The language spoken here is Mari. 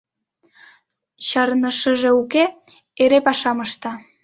Чарнышыже уке, эре пашам ышта.